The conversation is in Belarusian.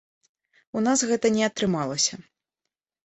У нас гэта не атрымалася.